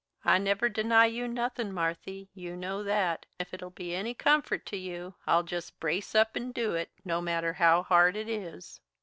I never deny you nothin', Marthy; you know that. If it'll be any comfort to you, I'll jest brace up and do it, no matter how hard it is."